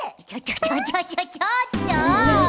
ちょちょちょちょっと！